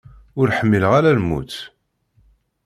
Ur ḥmmileɣ ara lmut.